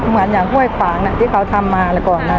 เหมือนอย่างห้วยขวางที่เขาทำมาก่อนนะ